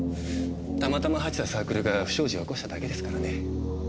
たまたま入ってたサークルが不祥事を起こしただけですからね。